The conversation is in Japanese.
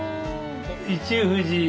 一富士